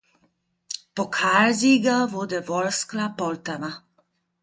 Pokalsieger wurde Worskla Poltawa.